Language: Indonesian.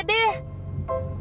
kita ke pasar